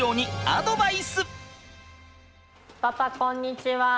パパこんにちは！